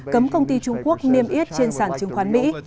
cấm công ty trung quốc niêm yết trên sản chứng khoán mỹ